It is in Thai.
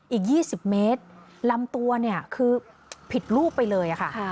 อีก๒๐เมตรลำตัวเนี่ยคือผิดรูปไปเลยค่ะ